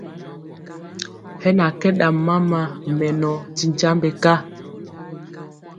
Hɛ na kɛ ɗam mama mɛnɔ ti nkyambe ka.